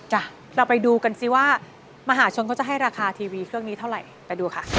เราไปดูกันสิว่ามหาชนเขาจะให้ราคาทีวีเครื่องนี้เท่าไหร่ไปดูค่ะ